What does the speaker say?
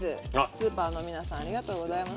スーパーの皆さんありがとうございます。